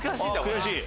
悔しい。